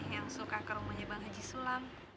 yang suka ke rumahnya bang haji sulam